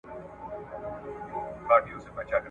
د پښتو ژبي چوپړ ته وقف کړی دی ..